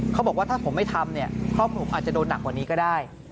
เขาบอกว่าถ้าผมไม่ทำพ่อผมอาจจะโดนหนักกว่านี้ก็ได้